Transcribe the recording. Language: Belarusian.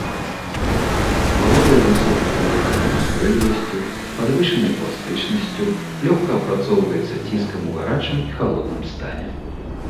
Валодае высокай каразійнай устойлівасцю, падвышанай пластычнасцю, лёгка апрацоўваецца ціскам ў гарачым і халодным стане.